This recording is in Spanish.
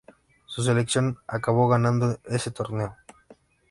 Su selección acabó ganando ese torneo.